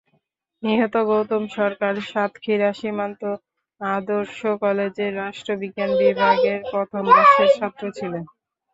নিহত গৌতম সরকার সাতক্ষীরা সীমান্ত আদর্শ কলেজের রাষ্ট্রবিজ্ঞান বিভাগের প্রথম বর্ষের ছাত্র ছিলেন।